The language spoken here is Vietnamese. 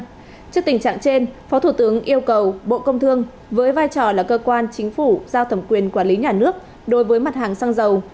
trước tình trạng trên phó thủ tướng yêu cầu bộ công thương với vai trò là cơ quan chính phủ giao thẩm quyền quản lý nhà nước đối với mặt hàng xăng dầu